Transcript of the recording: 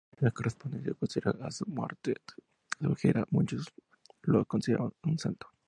La correspondencia posterior a su muerte sugiere que muchos lo consideraban un santo.